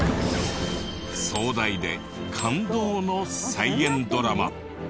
壮大で感動の再現ドラマ。